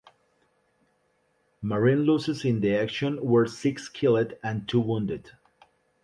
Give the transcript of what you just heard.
Marine losses in the action were six killed and two wounded.